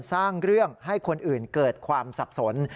สร้างเรื่องให้คนอื่นเกิดความสับสน